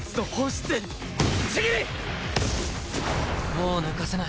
もう抜かせない。